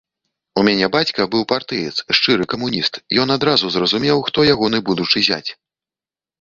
У мяне бацька быў партыец, шчыры камуніст, ён адразу зразумеў, хто ягоны будучы зяць.